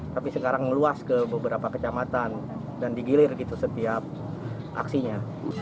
tapi sekarang meluas ke beberapa kecamatan dan digilir gitu setiap aksinya